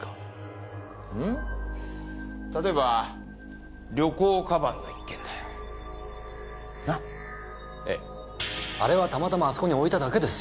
例えば旅行鞄の一件だよ。な？ええ。あれはたまたまあそこに置いただけですよ。